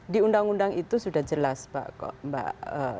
di undang undang itu sudah jelas mbak